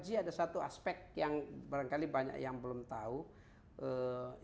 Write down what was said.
lima g ada satu aspek yang banyak yang belum diketahui